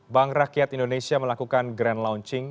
bank rakyat indonesia melakukan grand launching